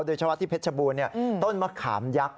โดยเฉพาะที่เพชรบูรณ์ต้นมะขามยักษ์